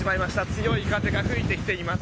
強い風が吹いてきています。